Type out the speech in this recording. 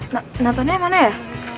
nah natanya mana ya